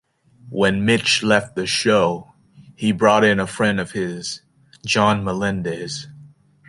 When Mitch left the show he brought in a friend of his, John Melendez.